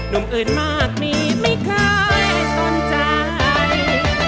หนุ่มอื่นมากนี่ไม่เคยสนใจ